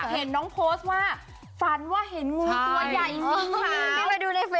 เห็นน้องโพสต์ว่าฝันว่าเห็นงูตัวใหญ่จริงค่ะ